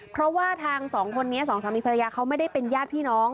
เพราะว่าทางสองคนนี้สองสามีภรรยาเขาไม่ได้เป็นญาติพี่น้อง